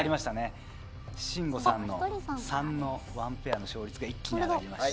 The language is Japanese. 信五さんの３のワンペアの勝率が一気に上がりました。